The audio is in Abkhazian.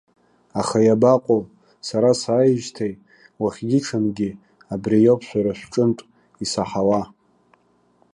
Аха иабаҟоу, сара сааижьҭеи, уахгьы-ҽынгьы, абриоуп шәара шәҿынтә исаҳауа.